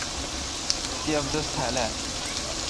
تی ابدس تھال اہ؟